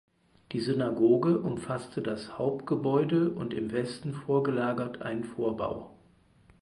Die Synagoge umfasste das Hauptgebäude und im Westen vorgelagert einen Vorbau.